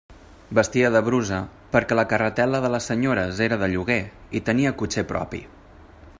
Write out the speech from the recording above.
Vestia de brusa, perquè la carretel·la de les senyores era de lloguer i tenia cotxer propi.